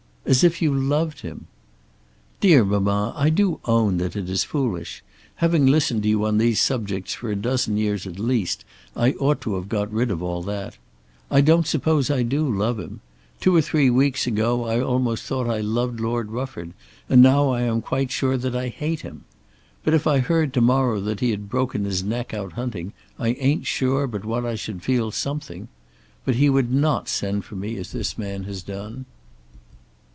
"As if you loved him!" "Dear mamma, I do own that it is foolish. Having listened to you on these subjects for a dozen years at least I ought to have got rid of all that. I don't suppose I do love him. Two or three weeks ago I almost thought I loved Lord Rufford, and now I am quite sure that I hate him. But if I heard to morrow that he had broken his neck out hunting, I ain't sure but what I should feel something. But he would not send for me as this man has done."